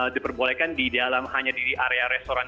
diperbolehkan di dalam hanya di area restoran